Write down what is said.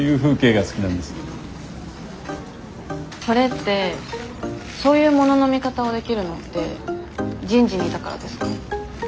それってそういうものの見方をできるのって人事にいたからですか？